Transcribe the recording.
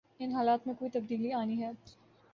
ان حالات میں کوئی تبدیلی آنی ہے۔